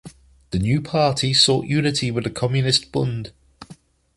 The new party sought unity with the Communist Bund.